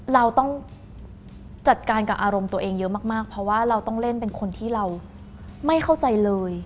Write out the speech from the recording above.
เราต้องจัดการกับอารมณ์ตัวเองเยอะมากเพราะว่าเราต้องเล่นเป็นคนที่เราไม่เข้าใจเลย